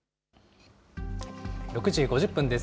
６時５０分です。